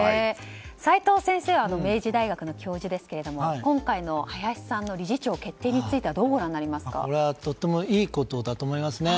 齋藤先生は明治大学の教授ですけど今回の林さんの理事長決定についてはこれはとてもいいことだと思いますね。